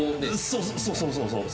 そうそうそうそう